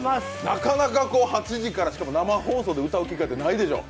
なかなか８時から、しかも生放送で歌う機会、ないでしょ。